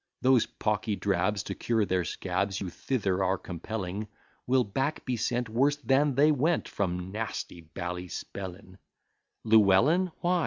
Those pocky drabs, to cure their scabs, You thither are compelling, Will back be sent worse than they went, From nasty Ballyspellin. Llewellyn why?